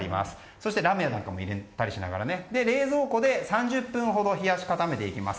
そしてラメも入れたりして冷蔵庫で３０分ほど冷やし固めます。